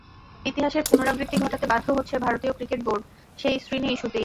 ইতিহাসের পুনরাবৃত্তি ঘটাতে বাধ্য হচ্ছে ভারতীয় ক্রিকেট বোর্ড, সেই শ্রীনি ইস্যুতেই।